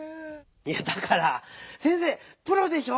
いやだから先生プロでしょ！